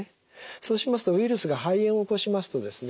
そうしますとウイルスが肺炎を起こしますとですね